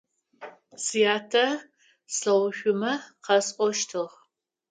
Сятэ слъэгъушъумэ къасӏощтыгъ.